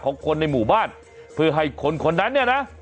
ของคนในหมู่บ้านเพื่อให้คนคนนั้นเนี่ยนะ